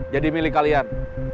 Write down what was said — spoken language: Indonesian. jadi milih kalian